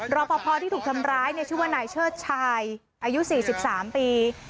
รอบพอที่ถูกทำร้ายเนี่ยชื่อว่าไหนเชิดชายอายุสี่สิบสามปี